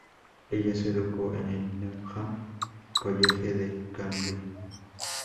Ella se educó en el Newnham College de Cambridge.